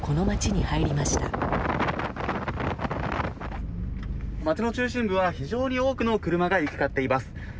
街の中心部は非常に多くの車が行き交っています。